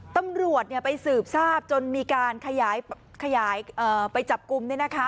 ตำรวจไปสืบทราบจนมีการขยายไปจับกลุ่ม